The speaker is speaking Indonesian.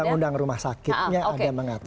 undang undang rumah sakitnya ada mengatur